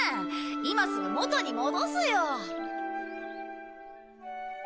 今すぐ元に戻すよ。